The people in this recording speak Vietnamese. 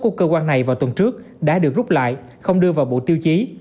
của cơ quan này vào tuần trước đã được rút lại không đưa vào bộ tiêu chí